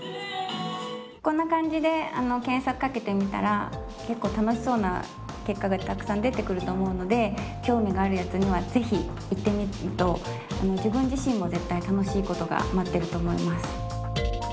こんな感じで検索かけてみたら結構楽しそうな結果がたくさん出てくると思うので興味があるやつにはぜひ行ってみると自分自身も絶対楽しいことが待ってると思います。